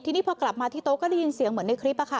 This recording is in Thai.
ทีนี้พอกลับมาที่โต๊ะก็ได้ยินเสียงเหมือนในคลิป